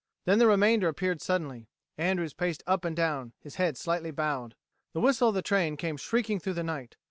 Then the remainder appeared suddenly. Andrews paced up and down, his head slightly bowed. The whistle of the train came shrieking through the night.